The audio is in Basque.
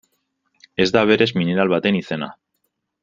Ez da berez mineral baten izena.